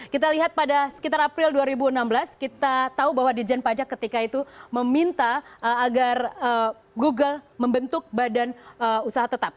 kita lihat pada sekitar april dua ribu enam belas kita tahu bahwa dijen pajak ketika itu meminta agar google membentuk badan usaha tetap